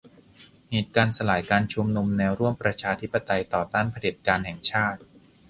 เหตุการณ์สลายการชุมนุมแนวร่วมประชาธิปไตยต่อต้านเผด็จการแห่งชาติ